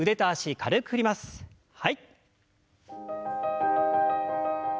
はい。